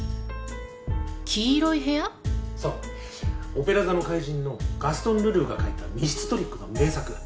『オペラ座の怪人』のガストン・ルルーが書いた密室トリックの名作。